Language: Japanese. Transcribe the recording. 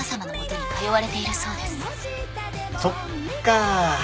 そっかぁ。